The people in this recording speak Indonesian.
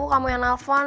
kamu yang nelpon